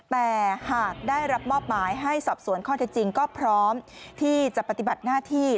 แต่หากได้รับมอบหมายให้สอบสวนข้อเท็จจริงก็พร้อมที่จะปฏิบัติหน้าที่